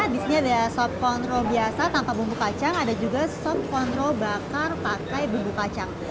di sini ada sobkondro biasa tanpa bumbu kacang ada juga sobkondro bakar pakai bumbu kacang